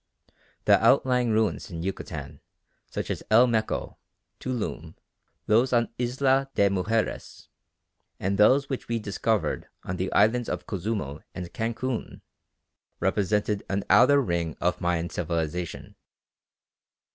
The outlying ruins in Yucatan such as El Meco, Tuloom, those on Isla de Mujeres, and those which we discovered on the islands of Cozumel and Cancun, represented an outer ring of Mayan civilisation.